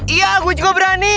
iya gue juga berani